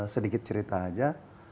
sedikit cerita aja